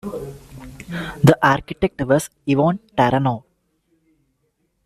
The architect was Ivan Taranov.